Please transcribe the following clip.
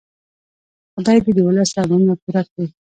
خدای دې د ولس ارمانونه پوره کړي.